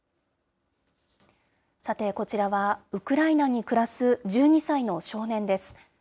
さて、こちらはウクライナに暮らす１２歳の少年です。